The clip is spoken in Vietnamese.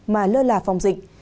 mà lơ là phòng dịch